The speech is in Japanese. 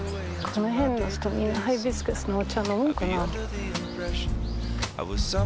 この辺の人みんなハイビスカスのお茶飲むんかな？